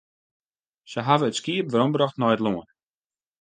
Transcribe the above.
Se hawwe it skiep werombrocht nei it lân.